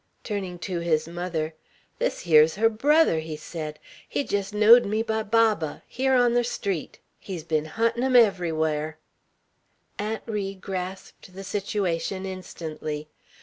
Turning to his mother, "This hyar's her brother," he said. "He jest knowed me by Baba, hyar on ther street. He's been huntin' 'em everywhar." Aunt Ri grasped the situation instantly.